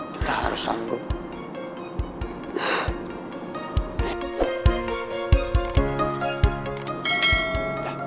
kita harus banggunya